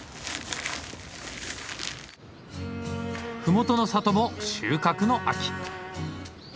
ふもとの里も収穫の秋。